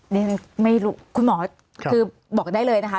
นี่ไม่รู้คุณหมอคือบอกได้เลยนะคะ